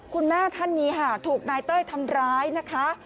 คุณแม่ท่านนี้ค่ะถูกนายเต้ยทำร้ายนะคะ